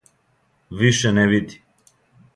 Више не види.